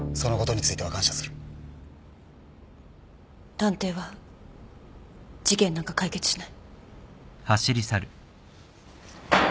探偵は事件なんか解決しない。